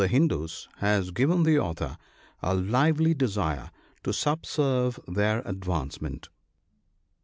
XI Hindoos, has given the Author a lively desire to subserve their advancement.